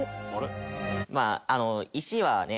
まああの石はね